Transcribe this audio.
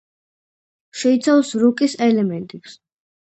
შეიცავს როკის ელემენტებს.